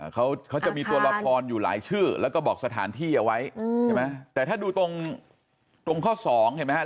เขาจะมีตัวละครอยู่หลายชื่อแล้วก็บอกสถานที่เอาไว้ใช่ไหมแต่ถ้าดูตรงตรงข้อสองเห็นไหมครับ